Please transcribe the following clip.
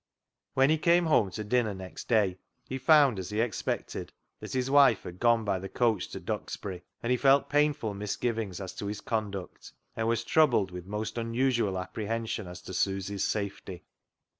When he came home to dinner next day he found, as he expected, that his wife had gone by the coach to Duxbury, and he felt painful misgivings as to his conduct, and was troubled with most unusual apprehension as to Susy's safety.